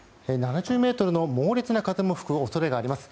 ７０メートルの猛烈な風も吹く恐れがあります。